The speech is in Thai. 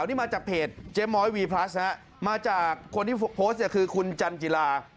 อันนี้มาจากเพจเจมส์หมอยวีพลัสนะมาจากคนที่โพสต์นี่คือคุณจันจิลา